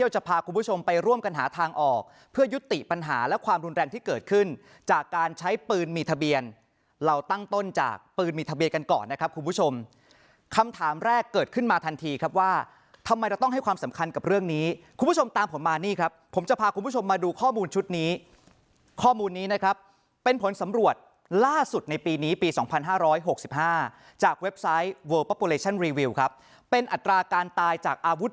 หาและความรุนแรงที่เกิดขึ้นจากการใช้ปืนมีทะเบียนเราตั้งต้นจากปืนมีทะเบียนกันก่อนนะครับคุณผู้ชมคำถามแรกเกิดขึ้นมาทันทีครับว่าทำไมเราต้องให้ความสำคัญกับเรื่องนี้คุณผู้ชมตามผมมานี่ครับผมจะพาคุณผู้ชมมาดูข้อมูลชุดนี้ข้อมูลนี้นะครับเป็นผลสำรวจล่าสุดในปีนี้ปีสองพันห